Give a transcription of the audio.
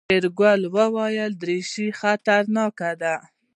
شېرګل وويل دريشي خطرناکه ده.